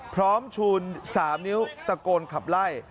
ชูน๓นิ้วตะโกนขับไล่